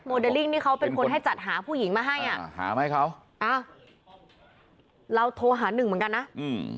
เดลลิ่งนี่เขาเป็นคนให้จัดหาผู้หญิงมาให้อ่ะอ่าหามาให้เขาอ้าวเราโทรหาหนึ่งเหมือนกันนะอืม